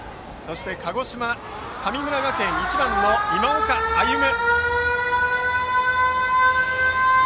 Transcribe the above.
鹿児島・神村学園１番の今岡歩夢。